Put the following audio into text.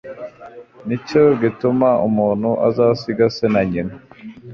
ni cyo gituma umuntu azasiga se na nyina